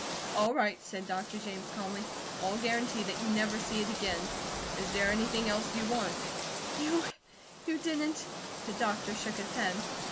"All right," said Dr. James calmly. "I'll guarantee that you never see it again. Is there anything else you want?" "You you didn't ?" The doctor shook his head.